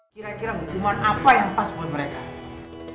kira kira hukuman apa yang pas buat mereka